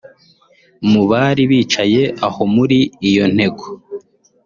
Mu bari bicaye aho muri iyo ntego